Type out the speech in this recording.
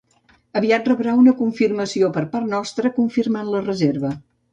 Aviat rebrà una confirmació per part nostra confirmant la reserva.